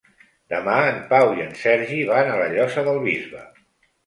Demà en Pau i en Sergi van a la Llosa del Bisbe.